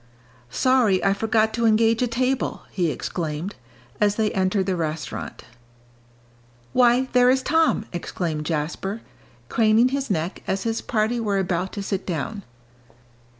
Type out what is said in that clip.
"Sorry I forgot to engage a table!" he exclaimed, as they entered the restaurant. "Why, there is Tom!" exclaimed Jasper, craning his neck as his party were about to sit down.